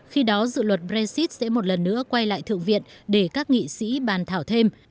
khi đó dự luật brexit sẽ một lần nữa quay lại thượng viện để các nghị sĩ bàn thảo thêm